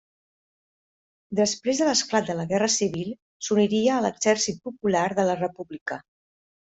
Després de l'esclat de la Guerra civil s'uniria a l'Exèrcit Popular de la República.